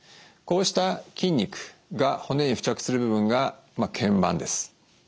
こうした筋肉が骨に付着する部分が腱板です。